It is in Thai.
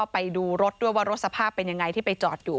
ไปดูรถด้วยว่ารถสภาพเป็นยังไงที่ไปจอดอยู่